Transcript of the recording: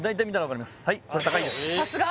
さすが！